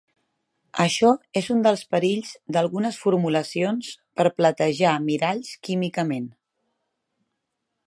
Això és un dels perills d'algunes formulacions per platejar miralls químicament.